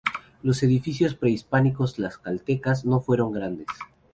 Los edificios prehispánicos tlaxcaltecas no fueron grandes.